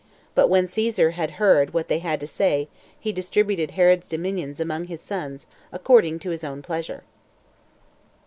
But When Caesar Had Heard What They Had To Say, He Distributed Herod's Dominions Among His Sons According To His Own Pleasure.